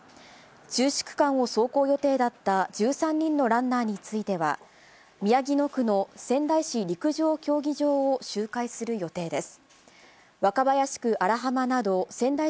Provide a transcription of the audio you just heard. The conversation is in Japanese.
中止区間を走行予定だった１３人のランナーについては、宮城野区の仙台市陸上競技場を周回する予定です。